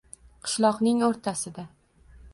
Qishloqning oʼrtasida